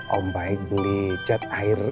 om baik beli cat air